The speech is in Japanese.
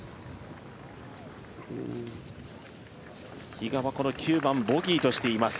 比嘉はこの９番ボギーとしています。